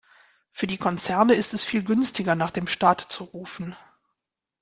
Für die Konzerne ist es viel günstiger, nach dem Staat zu rufen.